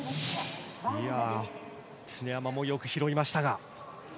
常山もよく拾いましたが。